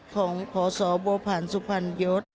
ของพศโบพันธุ์สุพันธุ์ยศ